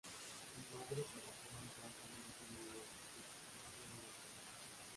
Su madre trabajaba en casa de una familia en Tijuca lo crio ella sola.